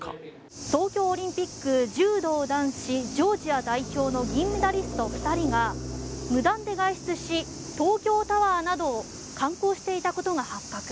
東京オリンピック柔道男子ジョージア代表の銀メダリスト２人が無断で外出し東京タワーなどを観光していたことが発覚。